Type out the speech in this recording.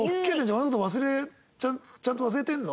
俺の事忘れちゃんと忘れてんの？」